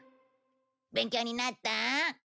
勉強になった？